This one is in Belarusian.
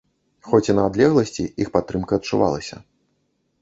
Хоць і на адлегласці, іх падтрымка адчувалася.